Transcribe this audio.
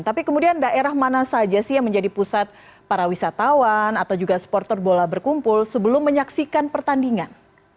tapi kemudian daerah mana saja sih yang menjadi pusat para wisatawan atau juga supporter bola berkumpul sebelum menyaksikan pertandingan